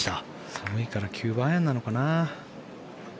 寒いから９番アイアンなのかな。